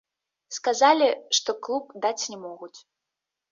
Сказалі, што клуб даць не могуць.